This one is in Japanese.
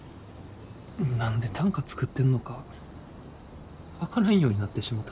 何で短歌作ってんのか分からんようになってしもた。